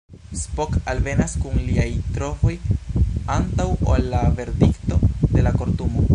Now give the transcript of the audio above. Spock alvenas kun liaj trovoj antaŭ ol la verdikto de la kortumo.